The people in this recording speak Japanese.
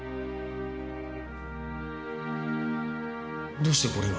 どうしてこれが。